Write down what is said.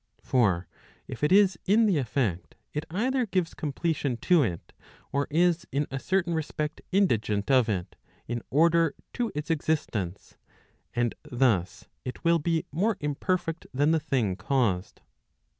For if it is in the effect, it either gives completion to it, or is in a certain respect indigent of it in order to its existence, and thus it will be more imperfect than the thing caused.